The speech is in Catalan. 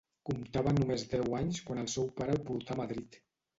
Comptava només deu anys quan el seu pare el portà a Madrid.